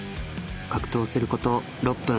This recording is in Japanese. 格闘すること６分。